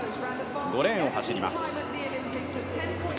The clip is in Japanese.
５レーンを走ります。